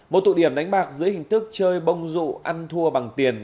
một tụ điểm đánh bạc dưới hình thức chơi bông rụ ăn thua bằng tiền